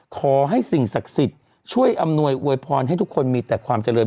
ขอให้สิ่งศักดิ์สิทธิ์ช่วยอำนวยอวยพรให้ทุกคนมีแต่ความเจริญ